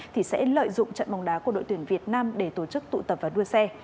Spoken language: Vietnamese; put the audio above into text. thì sẽ lợi dụng trận bóng đá của đội tuyển việt nam để tổ chức tụ tập và đua xe